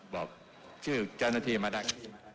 บอกชื่อเจ้าหน้าที่มาได้